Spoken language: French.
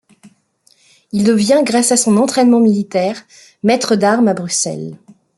Il devient grâce à son entraînement militaire maître d'armes à Bruxelles.